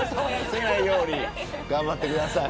頑張ってください。